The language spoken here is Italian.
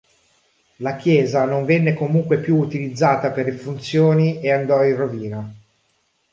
La chiesa non venne comunque più utilizzata per le funzioni e andò in rovina.